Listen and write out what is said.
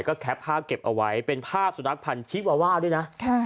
ก็แคปผ้าเก็บเอาไว้เป็นผ้าสุนัขผันชีวาวาด้วยนะ